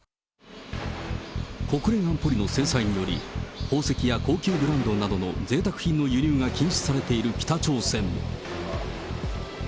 国連安保理の制裁により、宝石や高級ブランドなどのぜいたく品の輸入が禁止されている北朝鮮。